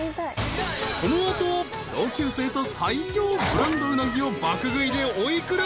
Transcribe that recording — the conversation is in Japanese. ［この後同級生と最強ブランドうなぎを爆食いでお幾ら？］